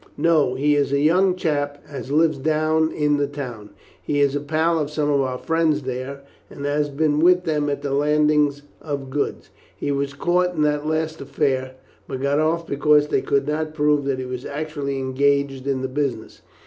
"No; he is a young chap as lives down in the town. He is a pal of some of our friends there, and has been with them at the landings of goods. He was caught in that last affair, but got off because they could not prove that he was actually engaged in the business.